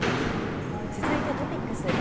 続いてトピックス。